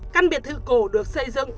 căn biệt thự cổ được xây dựng